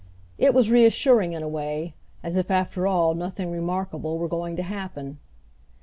It was reassuring in a way, as if after all nothing remarkable were going to happen.